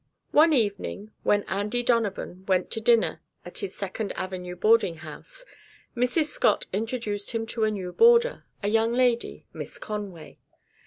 One evening when Andy Donovan went to dinner at his Second Avenue boarding house, Mrs. Scott introduced him to a new boarder, a young lady, Miss Conway.